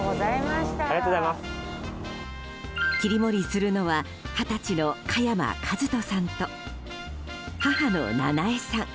切り盛りするのは二十歳の香山一斗さんと母の七重さん。